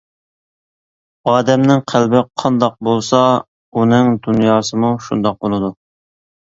ئادەمنىڭ قەلبى قانداق بولسا، ئۇنىڭ دۇنياسىمۇ شۇنداق بولىدۇ.